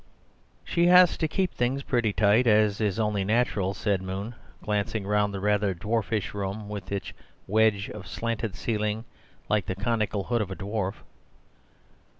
"She has to keep things pretty tight, as is only natural," said Moon, glancing round the rather dwarfish room, with its wedge of slanted ceiling, like the conical hood of a dwarf.